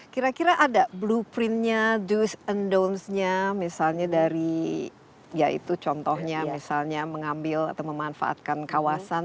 kira kira ada blueprintnya do's and don'ts nya misalnya dari ya itu contohnya misalnya mengambil atau memanfaatkan kawasan